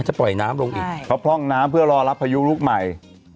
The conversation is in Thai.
จะปล่อยน้ำลงอีกเพราะพร่องน้ำเพื่อรอรับพายุลูกใหม่